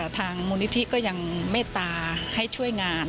ทางมูลนิธิก็ยังเมตตาให้ช่วยงาน